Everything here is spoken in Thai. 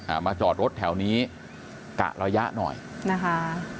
มาจอดรถแถวนี้กะระยะหน่อยนะคะ